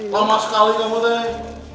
lama sekali kamu deh